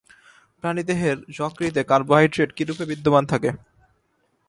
প্রাণিদেহের যকৃতে কার্বোহাইড্রেট কীরূপে বিদ্যমান থাকে?